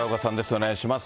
お願いします。